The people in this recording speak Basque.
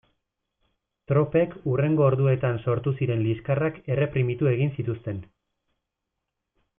Tropek hurrengo orduetan sortu ziren liskarrak erreprimitu egin zituzten.